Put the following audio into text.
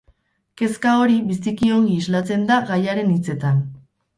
Kezka hori biziki ongi islatzen da gaiaren hitzetan.